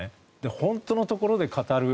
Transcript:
本当のところで語る。